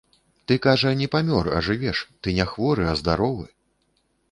Ты, кажа, не памёр, а жывеш, ты не хворы, а здаровы!